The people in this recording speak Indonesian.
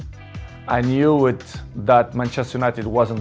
saya tahu bahwa manchester united tidak sama